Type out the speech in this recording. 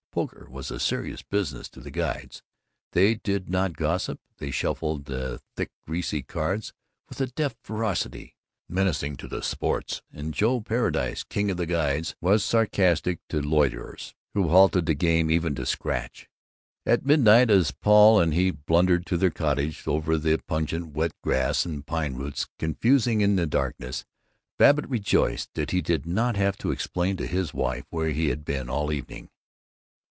Poker was a serious business to the guides. They did not gossip; they shuffled the thick greasy cards with a deft ferocity menacing to the "sports;" and Joe Paradise, king of guides, was sarcastic to loiterers who halted the game even to scratch. At midnight, as Paul and he blundered to their cottage over the pungent wet grass, and pine roots confusing in the darkness, Babbitt rejoiced that he did not have to explain to his wife where he had been all evening.